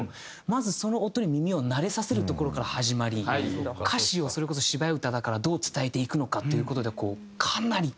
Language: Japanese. まずその音に耳を慣れさせるところから始まり歌詞をそれこそ芝居歌だからどう伝えていくのかっていう事でかなり苦労しましたそれは。